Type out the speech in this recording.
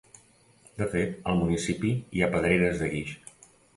De fet, al municipi hi ha pedreres de guix.